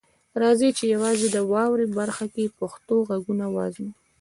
راځئ چې یوازې د "واورئ" برخه کې پښتو غږونه وازموو.